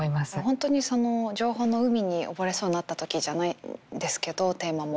本当に「情報の海に溺れそうになった時」じゃないんですけどテーマも。